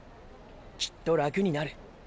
きっと楽になる。